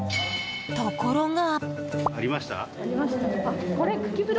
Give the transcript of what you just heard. ところが。